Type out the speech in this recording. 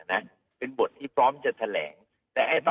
แบบที่แบบเอ่อแบบที่แบบเอ่อ